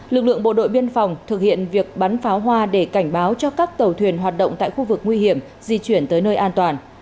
lực lượng bộ đội biên phòng thực hiện việc bắn pháo hoa để cảnh báo cho các tàu thuyền hoạt động tại khu vực nguy hiểm di chuyển tới nơi an toàn